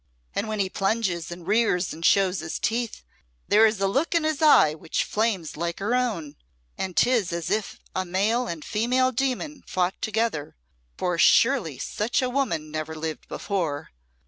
And when he plunges and rears and shows his teeth, there is a look in his eye which flames like her own, and 'tis as if a male and female demon fought together, for surely such a woman never lived before.